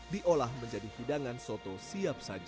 diolah menjadi hidangan soto siap saji